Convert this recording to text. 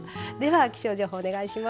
気象情報お願いします。